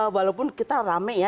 walaupun kita rame ya